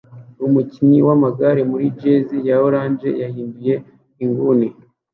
Umukinnyi wamagare muri jersey ya orange yahinduye inguni